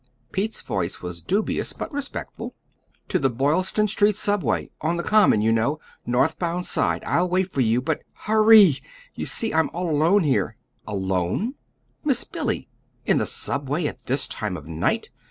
Pete's voice was dubious, but respectful. "To the Boylston Street subway on the Common, you know North bound side. I'll wait for you but HURRY! You see, I'm all alone here." "Alone! Miss Billy in the subway at this time of night!